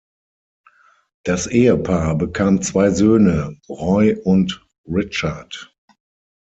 Das Ehepaar bekam zwei Söhne, Roy und Richard.